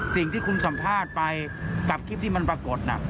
สิ่งที่คุณสัมภาษณ์ไปกับคลิปที่มันปรากฏ